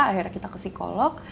akhirnya kita ke psikolog